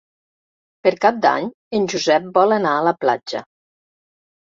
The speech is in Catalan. Per Cap d'Any en Josep vol anar a la platja.